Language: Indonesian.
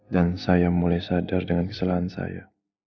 dan saya mulai sadar dengan kesalahan saya